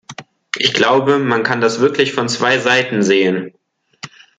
Ich glaube, man kann das wirklich von zwei Seiten sehen.